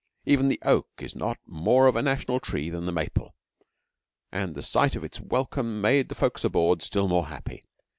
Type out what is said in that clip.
Even the oak is not more of a national tree than the maple, and the sight of its welcome made the folks aboard still more happy.